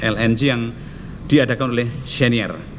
lng yang diadakan oleh senior